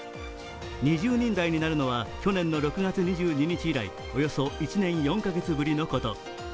２０人台になるのは去年の６月２２日以来、およそ１年４カ月ぶりのこと。